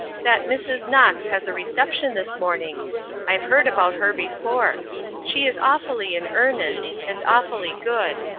That Mrs. Knox has a reception this morning. I've heard about her before; she is awfully in earnest, and awfully good.